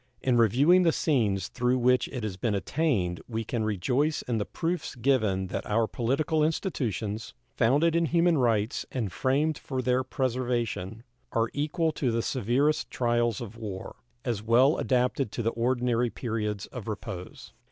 In reviewing the scenes through which it has been attained we can rejoice in the proofs given that our political institutions, founded in human rights and framed for their preservation, are equal to the severest trials of war, as well adapted to the ordinary periods of repose.